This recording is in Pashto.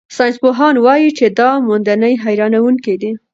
ساینسپوهان وايي چې دا موندنې حیرانوونکې دي.